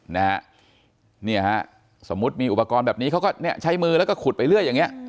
นะฮะเนี่ยฮะสมมุติมีอุปกรณ์แบบนี้เขาก็เนี่ยใช้มือแล้วก็ขุดไปเรื่อยอย่างเงี้